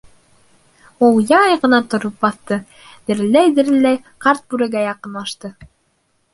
Ул яй ғына тороп баҫты, дерелдәй-дерелдәй ҡарт бүрегә яҡынлашты.